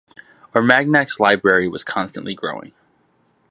Armagnac's library was constantly growing.